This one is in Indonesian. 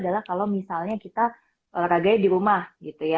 resiko yang paling kecil adalah kalau misalnya kita olahraganya di rumah gitu ya